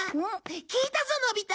聞いたぞのび太！